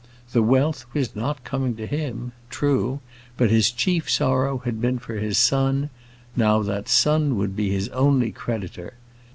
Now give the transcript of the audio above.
The wealth was not coming to him. True. But his chief sorrow had been for his son. Now that son would be his only creditor.